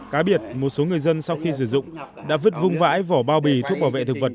cá biệt một số người dân sau khi sử dụng đã vứt vung vãi vỏ bao bì thuốc bảo vệ thực vật